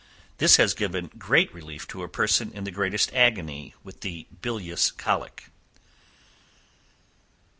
This has given relief to a person in the greatest agony with the bilious colic.